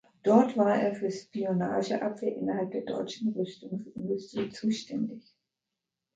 Dort war er für Spionageabwehr innerhalb der deutschen Rüstungsindustrie zuständig.